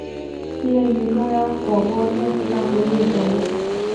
毕业于中央广播电视大学英语专业。